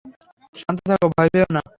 শান্ত থাকো, ভয় পেয়ো না।